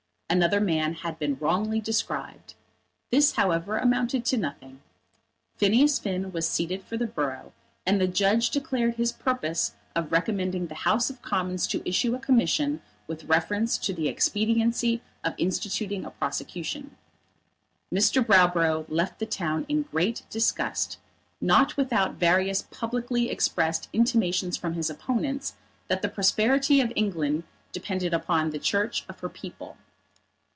Another man had been wrongly described. This, however, amounted to nothing. Phineas Finn was seated for the borough, and the judge declared his purpose of recommending the House of Commons to issue a commission with reference to the expediency of instituting a prosecution. Mr. Browborough left the town in great disgust, not without various publicly expressed intimations from his opponents that the prosperity of England depended on the Church of her people.